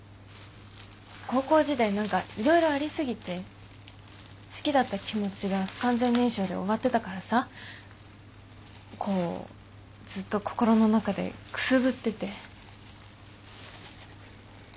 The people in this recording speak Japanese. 高校時代何か色々あり過ぎて好きだった気持ちが不完全燃焼で終わってたからさこうずっと心の中でくすぶってて。